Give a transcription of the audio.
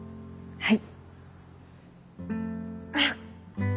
はい。